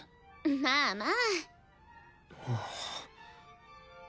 まあまあ。